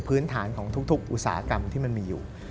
พื้นฐานของทุกอุตสาหกรรมที่มันมีอยู่